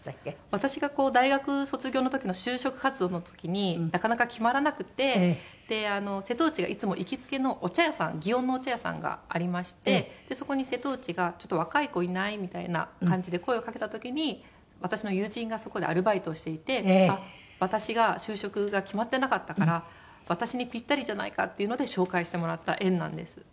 私が大学卒業の時の就職活動の時になかなか決まらなくって瀬戸内がいつも行きつけのお茶屋さん園のお茶屋さんがありましてでそこに瀬戸内が「ちょっと若い子いない？」みたいな感じで声をかけた時に私の友人がそこでアルバイトをしていて私が就職が決まってなかったから私にぴったりじゃないかっていうので紹介してもらった縁なんです。